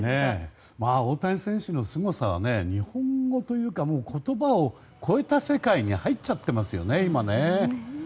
大谷選手のすごさは言葉を超えた世界に入っちゃっていますよね、今ね。